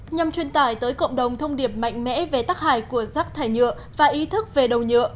nhằm truyền tải tới cộng đồng thông điệp mạnh mẽ về tắc hại của rác thải nhựa và ý thức về đầu nhựa